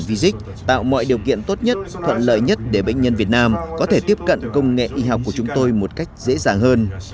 vì tạo mọi điều kiện tốt nhất thuận lợi nhất để bệnh nhân việt nam có thể tiếp cận công nghệ y học của chúng tôi một cách dễ dàng hơn